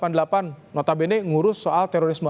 dan notabene ngurus soal terorisme